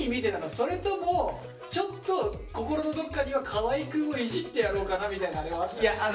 それともちょっと心のどっかには河合くんをいじってやろうかなみたいなあれはあったの？